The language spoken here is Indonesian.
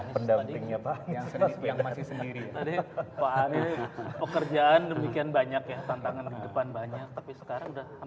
pendamping nyapa yang orang pekerjaan demikian banyak ya tantangan ini depan banyak having